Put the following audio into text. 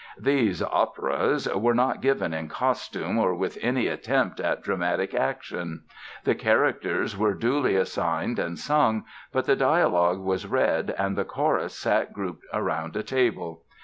These "operas" were not given in costume or with any attempt at dramatic, action. The characters were duly assigned and sung, but the dialogue was read and the chorus sat grouped around a table.